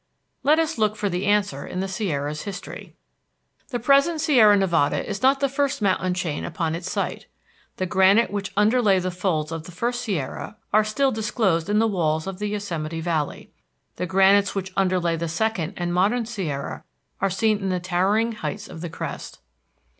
Let us look for the answer in the Sierra's history. The present Sierra Nevada is not the first mountain chain upon its site. The granite which underlay the folds of the first Sierra are still disclosed in the walls of the Yosemite Valley. The granites which underlay the second and modern Sierra are seen in the towering heights of the crest.